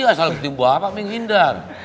ini asal ketemu bapak menghindar